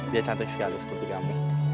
dia cantik sekali seperti kami